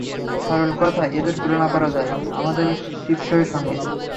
সরল কথায় এদের তুলনা করা যায় আমাদের টিপসইয়ের সঙ্গে।